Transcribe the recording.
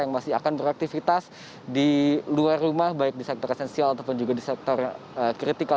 yang masih akan beraktivitas di luar rumah baik di sektor esensial ataupun juga di sektor kritikal